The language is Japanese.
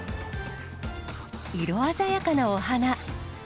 色鮮やかなお花。